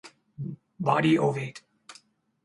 Body ovate.